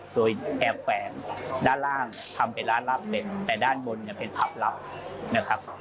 โดยแอบแฟนด้านล่างทำเป็นร้านรับเป็นแต่ด้านบนเป็นพับรับนะครับ